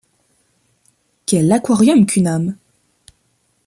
Quel aquarium qu’une âme!